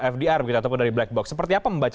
fdr begitu ataupun dari black box seperti apa membaca